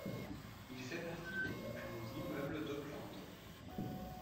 Il fait partie des dix plus hauts immeubles d'Auckland.